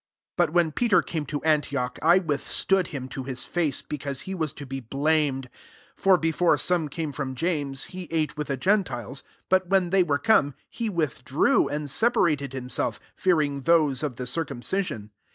11 But when Peter came to Antioch, I withstood him to his face, because he was to be blam ed.* 1 2 For before some came from James, he ate with the gentiles : but, when they were come, he withdrew and separat ed himself, fearing those of the circumcision.